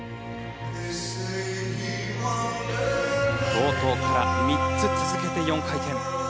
冒頭から３つ続けて４回転。